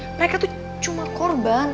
mereka tuh cuma korban